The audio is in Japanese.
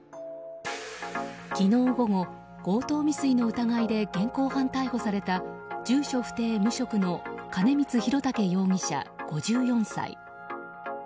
昨日午後、強盗未遂の疑いで現行犯逮捕された住所不定・無職の金光普健容疑者、５４歳。